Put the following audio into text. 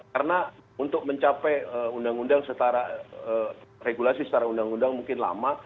karena untuk mencapai undang undang setara regulasi secara undang undang mungkin lama